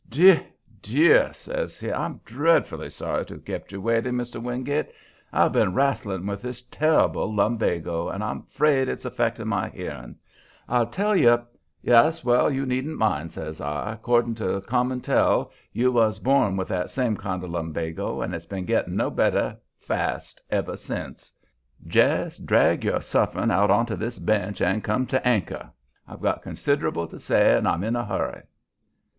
"Dear, dear!" says he. "I'm dreadful sorry to have kept you waiting, Mr. Wingate. I've been wrastling with this turrible lumbago, and I'm 'fraid it's affecting my hearing. I'll tell you " "Yes well, you needn't mind," I says; "'cordin' to common tell, you was born with that same kind of lumbago, and it's been getting no better fast ever since. Jest drag your sufferings out onto this bench and come to anchor. I've got considerable to say, and I'm in a hurry."